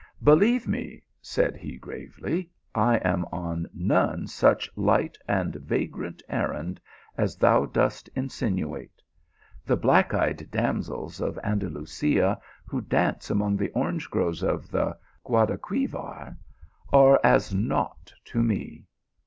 Believe me," said he gravely, " I am on none such light and vagrant errand as thou dost insinuate. The black eyed damsels of Andalusia who dance among the orange groves of the Guadal quiver, are .as naught to me.